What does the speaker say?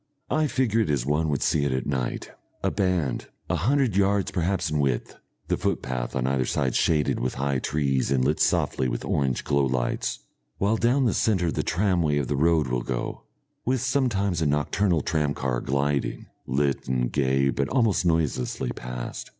I figure it as one would see it at night, a band a hundred yards perhaps in width, the footpath on either side shaded with high trees and lit softly with orange glowlights; while down the centre the tramway of the road will go, with sometimes a nocturnal tram car gliding, lit and gay but almost noiselessly, past.